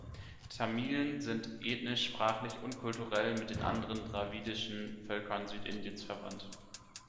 Tamilen sind ethnisch, sprachlich und kulturell mit den anderen dravidischen Völkern Südindiens verwandt.